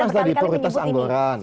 jelas tadi prioritas anggaran